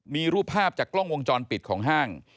มีรูปภาพจากกล้องวงจรปิดของห้าง